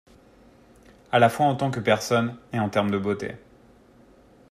À la fois en tant que personne et en termes de beauté.